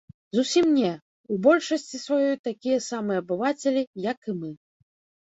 Зусім не, у большасці сваёй такія самыя абывацелі, як і мы.